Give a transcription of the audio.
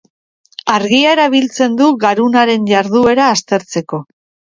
Argia erabiltzen du garunaren jarduera aztertzeko.